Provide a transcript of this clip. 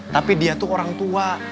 tapi dia tuh orang tua